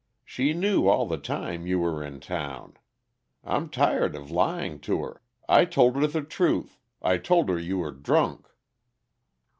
She knew all the time that you were in town. I'm tired of lying to her. I told her the truth. I told her you were drunk."